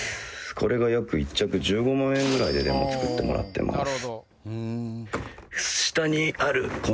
これが約１着１５万円ぐらいで作ってもらってます。